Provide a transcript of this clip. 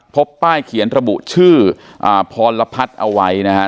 พบป้ายเขียนระบุชื่อพรพัฒน์เอาไว้นะฮะ